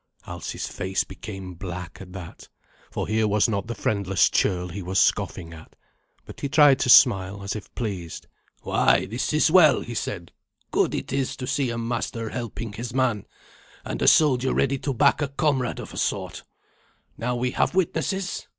Alsi's face became black at that, for here was not the friendless churl he was scoffing at. But he tried to smile, as if pleased. "Why, this is well," he said. "Good it is to see a master helping his man, and a soldier ready to back a comrade of a sort. Now we have witnesses.